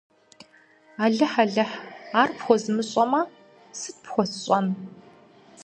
Алыхь-алыхь, ар пхуэзмыщӀэмэ, сыт пхуэсщӀэн!